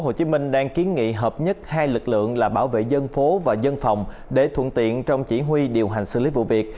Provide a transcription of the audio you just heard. thưa quý vị tp hcm đang kiến nghị hợp nhất hai lực lượng là bảo vệ dân phố và dân phòng để thuận tiện trong chỉ huy điều hành xử lý vụ việc